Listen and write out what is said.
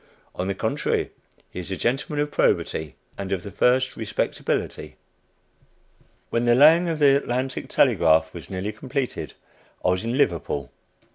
On the contrary, he is a gentleman of probity, and of the first respectability. When the laying of the Atlantic Telegraph was nearly completed, I was in Liverpool.